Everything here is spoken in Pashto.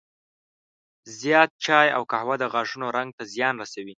زیات چای او قهوه د غاښونو رنګ ته زیان رسوي.